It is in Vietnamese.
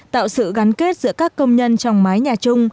tạo sự gắn kết giữa các công nhân trong mái nhà chung